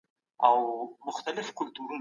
حق غوښتنه د هر فرد حق دی.